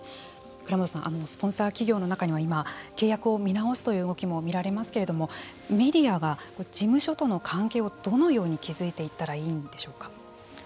蔵元さんスポンサー企業の中には今契約を見直すという動きも見られますけれどもメディアは事務所との関係をどのように築いていったらいいんでしょうか。